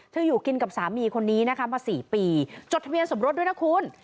อยู่กินกับสามีคนนี้นะคะมา๔ปีจดทะเบียนสมรสด้วยนะคุณ